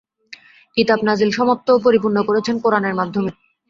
কিতাব নাজিল সমাপ্ত ও পরিপূর্ণ করেছেন কোরআনের মাধ্যমে।